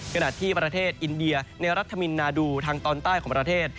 ขณะที่ประเทศอินเดียในรัฐมินนาดูทางตอนใต้ของประเทศ